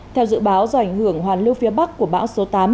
theo dự báo do ảnh hưởng hoàn lưu phía bắc của bão số tám